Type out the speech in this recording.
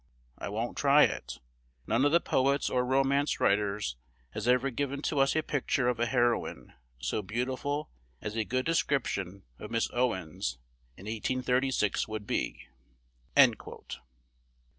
I won't try it. None of the poets or romance writers has ever given to us a picture of a heroine so beautiful as a good description of Miss Owens in 1836 would be."